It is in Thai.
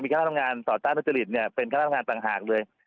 นี่คณะทำงานสตราตรนรจฤทธิ์เนี่ยเป็นคณะทำงานต่างหากเลย